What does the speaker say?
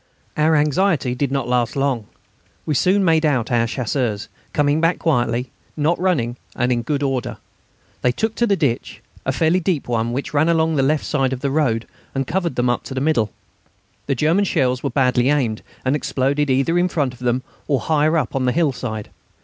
Our anxiety did not last long. We soon made out our Chasseurs, coming back quietly, not running, and in good order. They took to the ditch, a fairly deep one, which ran along on the left side of the road, and covered them up to the middle. The German shells were badly aimed, and exploded either in front of them or higher up on the hillside.